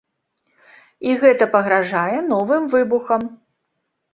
І гэта пагражае новым выбухам.